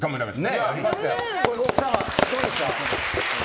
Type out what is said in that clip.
奥様、どうでした？